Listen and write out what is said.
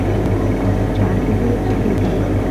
جعلته يفتح الباب.